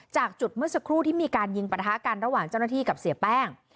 จากจุดเมื่อสักครู่ที่มีการยิงประทะกันระหว่างเจ้าหน้าที่กับเสียแป้ง